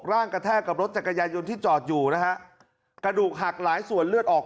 กระแทกกับรถจักรยายนที่จอดอยู่นะฮะกระดูกหักหลายส่วนเลือดออก